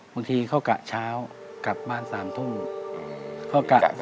บางทีเข้ากะเช้ากลับบ้านเกียรติศาสตร์๐ถึง